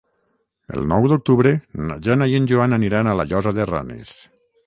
El nou d'octubre na Jana i en Joan aniran a la Llosa de Ranes.